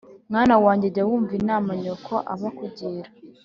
Mwana wanjye jya wumva inama nyoko aba akugira